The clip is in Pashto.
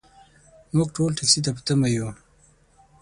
موږ ټول ټکسي ته په تمه یو .